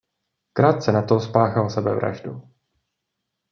Krátce nato spáchal sebevraždu.